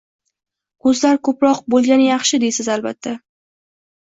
ko‘zlar ko‘proq bo‘lgani yaxshi, deysiz albatta.